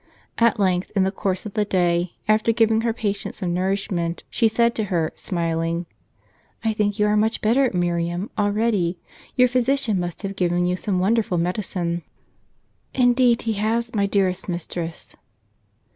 At length, in the course of the day, after giving her patient some nourishment, she said to her, smiling: "I think you are much better, Miriam, already. Your physician must have given you some wonderful medicine." " Indeed he has, my dearest mistress."